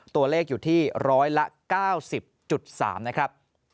ตัวเลขอยู่ที่๑๙๐๓นะครับ